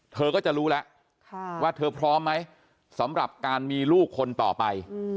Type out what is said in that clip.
เธอก็จะรู้แล้วว่าเธอพร้อมไหมสำหรับการมีลูกคนต่อไป